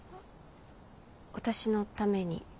私のために？